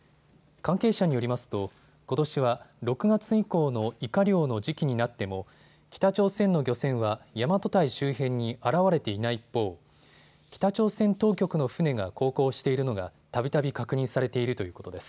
関係者によりますとことしは６月以降のイカ漁の時期になっても北朝鮮の漁船は大和堆周辺に現れていない一方、北朝鮮当局の船が航行しているのがたびたび確認されているということです。